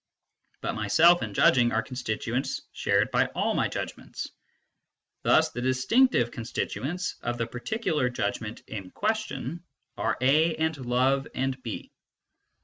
But myself and judging are constituents shared by all my judgments ; thus the distinctive con stituents of the particular judgment in question are A and love and B.